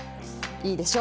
いいでしょう。